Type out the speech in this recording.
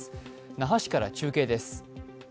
那覇市から中継です。